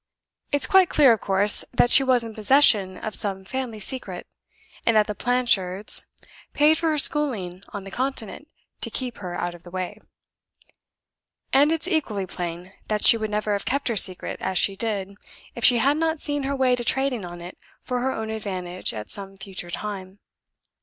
It's quite clear, of course, that she was in possession of some family secret; and that the Blanchards paid for her schooling on the Continent to keep her out of the way. And it's equally plain that she would never have kept her secret as she did if she had not seen her way to trading on it for her own advantage at some future time.